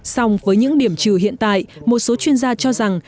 song với những điểm trừ hiện tại một số chuyên gia cho rằng